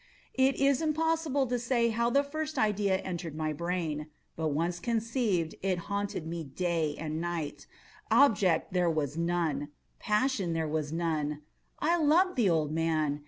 It is impossible to say how first the idea entered my brain; but once conceived, it haunted me day and night. Object there was none. Passion there was none. I loved the old man.